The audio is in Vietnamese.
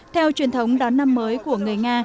theo truyền thống đón năm mới của người nga